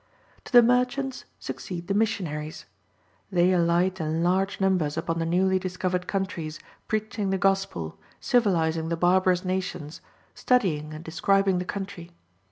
To the merchants succeed the missionaries. They alight in large numbers upon the newly discovered countries, preaching the Gospel, civilizing the barbarous nations, studying and describing the country.